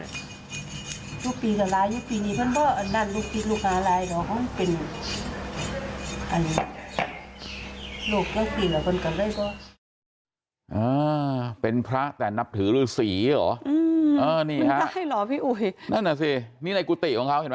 อ้าวเป็นพระแต่นับถือฤษีหรอนั่นน่ะสินี่ในปุติของเขา